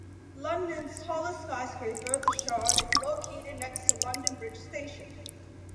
London's tallest skyscraper, the Shard, is located next to London Bridge Station.